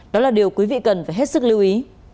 đó là điều quý vị cần phải hết sức lưu ý